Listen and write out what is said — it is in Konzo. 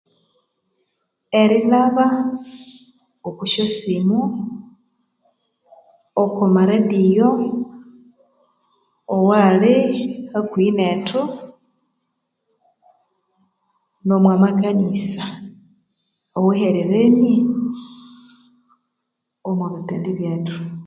Erilhaba okwa sya simu okwa maredio owali hakuhi nethu nomwa makanisa awahererenie omwa bipindi byethu